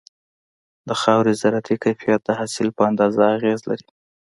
د خاورې زراعتي کيفيت د حاصل په اندازه اغېز لري.